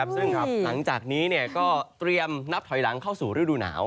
ซึ่งหลังจากนี้ก็เตรียมนับถอยหลังเข้าสู่ฤดูหนาว